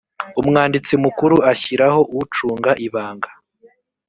umwanditsi mukuru ashyiraho ucunga ibanga